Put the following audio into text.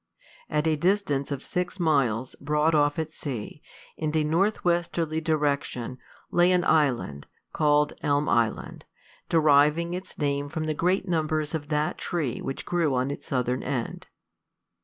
At a distance of six miles, broad off at sea, in a north westerly direction, lay an island, called Elm Island, deriving its name from the great numbers of that tree which grew on its southern end.